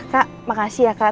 kak makasih ya kak